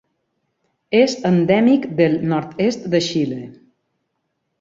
És endèmic del nord-est de Xile.